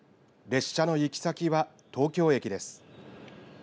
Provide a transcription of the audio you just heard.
列車の行き先は東京駅です。